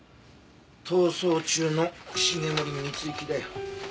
逃走中の繁森光之だよ。